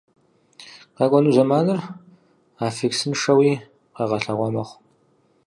Къэкӏуэну зэманыр аффиксыншэуи къэгъэлъэгъуа мэхъу.